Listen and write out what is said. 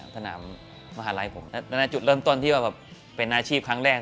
ธนามมหาลัยผมตั้งแต่จุดเริ่มต้นที่เป็นอาชีพครั้งแรก